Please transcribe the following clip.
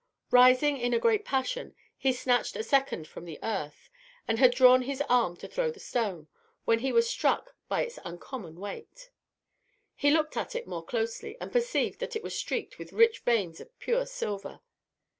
Rising in a great passion, he snatched a second from the earth, and had drawn his arm to throw the stone, when he was struck by its uncommon weight. He looked at it more closely, and perceived that it was streaked with rich veins of pure silver.